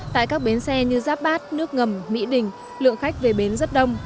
tại các bến xe như giáp bát nước ngầm mỹ đình lượng khách về bến rất đông